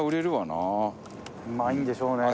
うまいんでしょうね。